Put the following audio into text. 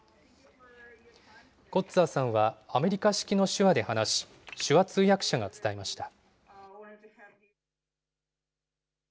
コッツァーさんは、アメリカ式の手話で話し、手話通訳者が伝えました。